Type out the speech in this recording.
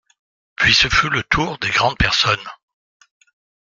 Puis ce fut le tour des grandes personnes.